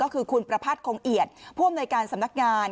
ก็คือคุณประพัทธ์คงเอียดผู้อำนวยการสำนักงาน